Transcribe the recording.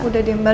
udah diem mbak